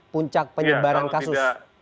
puncak penyebaran kasus